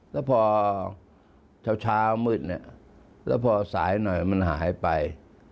แล้วพอเช้ามืดเนี่ยแล้วพอสายหน่อยมันหายไป